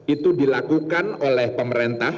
itu dilakukan oleh pemerintah